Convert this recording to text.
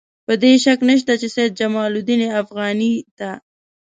په دې کې شک نشته چې سید جمال الدین افغاني ته.